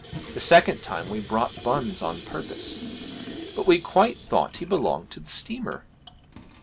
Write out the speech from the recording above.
The second time we brought buns on purpose. But we quite thought he belonged to the steamer.'